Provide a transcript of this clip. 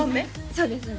そうです